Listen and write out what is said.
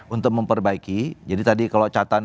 untuk memperbaiki jadi tadi kalau catan